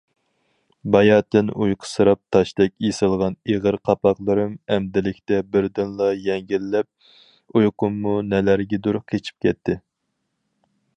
باياتىن ئۇيقۇسىراپ تاشتەك ئېسىلغان ئېغىر قاپاقلىرىم ئەمدىلىكتە بىردىنلا يەڭگىللەپ، ئۇيقۇممۇ نەلەرگىدۇر قېچىپ كەتتى.